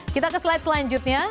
kita ke slide selanjutnya